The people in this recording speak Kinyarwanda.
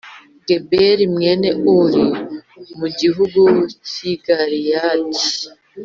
Geberi mwene Uri, mu gihugu cy’i Galeyadi